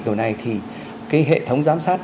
đầu này thì cái hệ thống giám sát